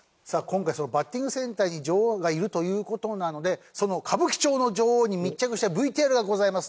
今回そのバッティングセンターに女王がいるという事なのでその歌舞伎町の女王に密着したＶＴＲがございます。